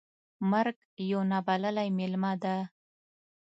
مرګ یو نا بللی میلمه ده .